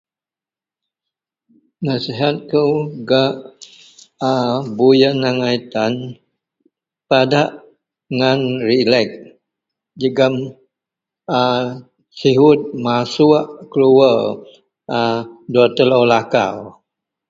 Nasihat kou gak a buyen angai tan padak ngan relek jegem a siyud masuk keluwer dua a telo lakau.